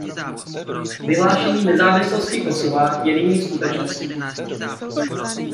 Vyhlášení nezávislosti Kosova je nyní skutečností.